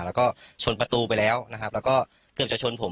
แล้วก็ชนประตูไปแล้วนะครับแล้วก็เกือบจะชนผม